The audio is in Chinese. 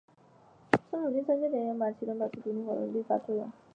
曾努力参加雅典对马其顿保持独立的活动并从中发挥作用。